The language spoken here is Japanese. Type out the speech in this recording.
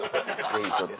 ぜひちょっと。